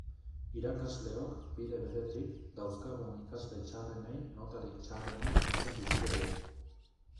Irakasleok, bide beretik, dauzkagun ikasle txarrenei notarik txarrenak jartzen dizkiegu.